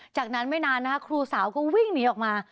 จากนั้นไม่นานนะคะครูสาวก็วิ่งหนีออกมา